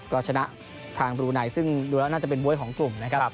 ก็ชนะทางบรูไนซึ่งดูแล้วน่าจะเป็นบ๊วยของกลุ่มนะครับ